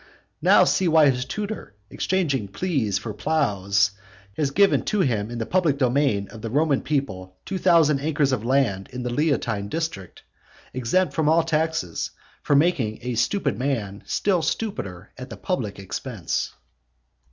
Now see why his tutor, exchanging pleas for ploughs, has had given to him in the public domain of the Roman people two thousand acres of land in the Leontine district, exempt from all taxes, for making a stupid man still stupider at the public expense.